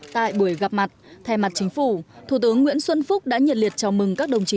tại buổi gặp mặt thay mặt chính phủ thủ tướng nguyễn xuân phúc đã nhiệt liệt chào mừng các đồng chí